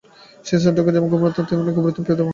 সেই স্থানটুকু যেমন গোপনতম, তেমনি গভীরতম, তেমনি প্রিয়তম।